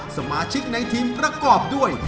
สมาชิกในทีมประกอบด้วย